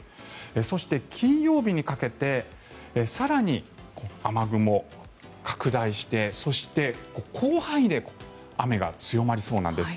そして金曜日にかけて更に雨雲、拡大してそして、広範囲で雨が強まりそうなんです。